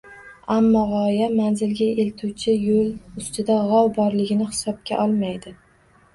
Ammo g‘oya manzilga eltuvchi yo‘l ustida g‘ov borligini hisobga olmaydi.